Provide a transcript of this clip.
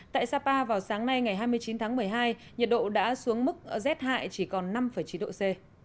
tại sapa vào sáng nay ngày hai mươi chín tháng một mươi hai nhiệt độ đã xuống mức rét hại chỉ còn năm chín độ c